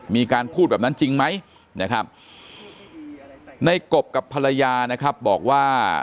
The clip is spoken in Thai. มีการพูดแบบนั้นจริงไหมนะครับในกบกับภรรยานะครับบอกว่า